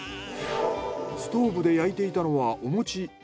ストーブで焼いていたのはお餅。